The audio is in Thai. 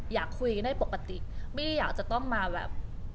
อยากคุยได้ปกติไม่ได้อยากจะต้องมาแบบ